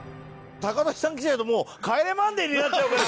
タカトシさん来ちゃうと『帰れマンデー』になっちゃうから。